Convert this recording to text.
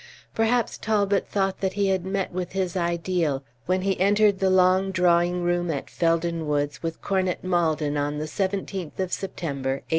Perhaps Talbot thought that he had met with his ideal when he entered the long drawing room at Felden Woods with Cornet Maldon, on the seventeenth of September, 1857.